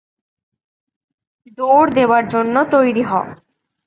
দৌড় দেবার জন্য তৈরি হ!